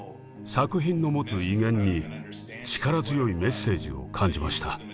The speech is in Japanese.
作品の持つ威厳に力強いメッセージを感じました。